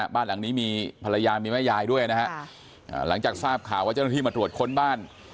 บ้านหลังนี้มีภรรยามีแม่ยายด้วยนะฮะหลังจากทราบข่าวว่าเจ้าหน้าที่มาตรวจค้นบ้าน